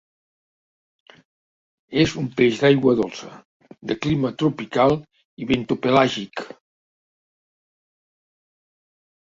És un peix d'aigua dolça, de clima tropical i bentopelàgic.